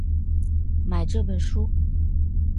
买这本书